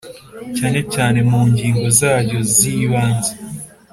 Cyane cyane mu ngingo zaryo zibanza